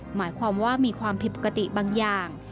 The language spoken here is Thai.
หมายความว่ามีความผิดปกติบางอย่าง